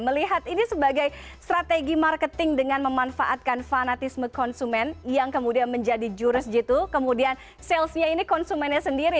melihat ini sebagai strategi marketing dengan memanfaatkan fanatisme konsumen yang kemudian menjadi jurus gitu kemudian salesnya ini konsumennya sendiri